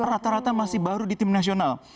rata rata masih baru di tim nasional